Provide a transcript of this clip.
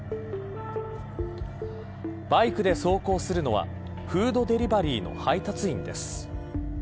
バイクで走行するのはフードデリバリーの配達員です。